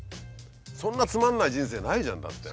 そんなつまんない人生ないじゃんだって。